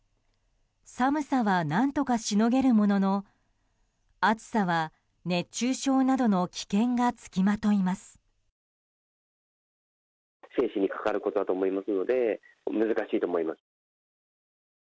寒さは何とかしのげるものの暑さは熱中症などの危険が付きまといます。